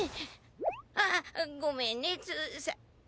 ああっごめんねつーさ。